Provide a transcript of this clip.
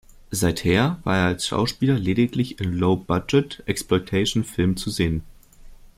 Seither war er als Schauspieler lediglich in Low-Budget Exploitation-Filmen zu sehen.